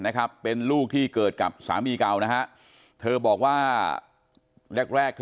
นะครับเป็นลูกที่เกิดกับสามีเก่านะฮะเธอบอกว่าแรกแรกเธอ